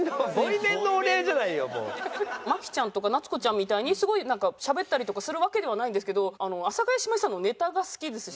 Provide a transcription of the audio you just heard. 麻貴ちゃんとか夏子ちゃんみたいにすごいなんかしゃべったりとかするわけではないんですけど阿佐ヶ谷姉妹さんのネタが好きですし。